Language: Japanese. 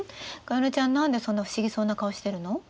加弥乃ちゃん何でそんな不思議そうな顔してるの？